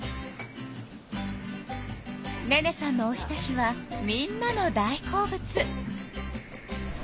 寧々さんのおひたしはみんなの大好物。